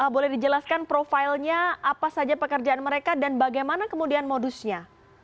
boleh dijelaskan profilnya apa saja pekerjaan mereka dan bagaimana kemudian modusnya